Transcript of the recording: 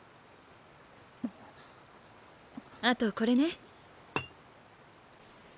あとこれね。